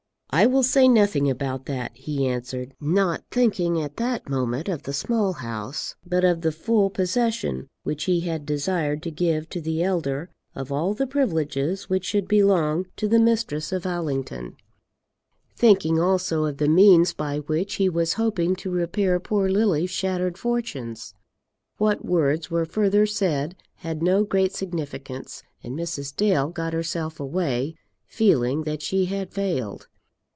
"I will say nothing about that," he answered; not thinking at that moment of the Small House, but of the full possession which he had desired to give to the elder of all the privileges which should belong to the mistress of Allington, thinking also of the means by which he was hoping to repair poor Lily's shattered fortunes. What words were further said had no great significance, and Mrs. Dale got herself away, feeling that she had failed.